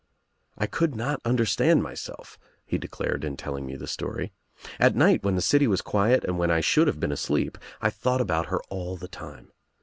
"I could not understand myself," he declared, in tell ing me the story. "At night, when the city was quiet and when I should have been asleep, I thought about her all the time.